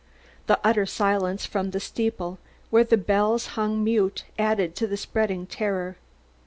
The utter silence from the steeple, where the bells hung mute, added to the spreading terror.